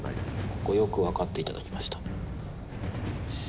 ここよく分かっていただけました